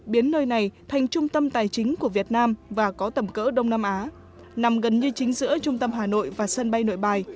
biến nơi này thành trung tâm tài chính của việt nam và có tầm cỡ đông nam á nằm gần như chính giữa trung tâm hà nội và sân bay nội bài